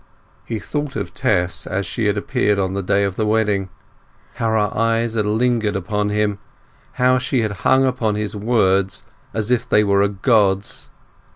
He thought of Tess as she had appeared on the day of the wedding. How her eyes had lingered upon him; how she had hung upon his words as if they were a god's!